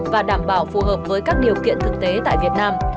và đảm bảo phù hợp với các điều kiện thực tế tại việt nam